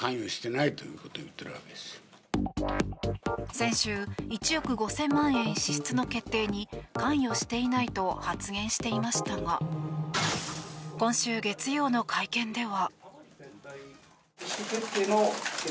先週１億５０００万円支出の決定に関与していないと発言していましたが今週月曜の会見では。